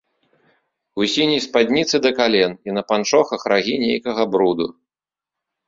У сіняй спадніцы да кален, і на панчохах рагі нейкага бруду.